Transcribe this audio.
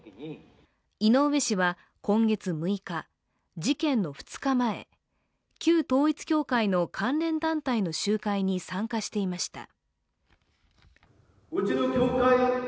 井上氏は今月６日、事件の２日前旧統一教会の関連団体の集会に参加していました。